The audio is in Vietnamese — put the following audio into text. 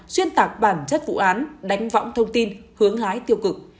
xuyên tạc bản chất vụ án đánh võng thông tin hướng lái tiêu cực